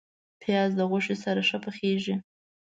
پیاز د غوښې سره ښه پخیږي